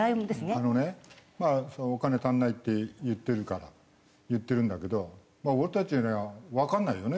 あのねまあお金足りないって言ってるから言ってるんだけど俺たちにはわかんないよね。